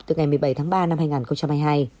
từ ngày một mươi bảy tháng ba năm hai nghìn hai mươi hai